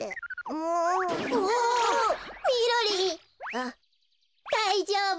あっだいじょうぶ。